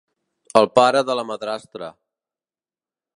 El pare de la madrastra.